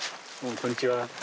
こんにちは。